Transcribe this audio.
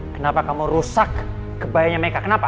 kenapa kamu rusak kebayanya mereka kenapa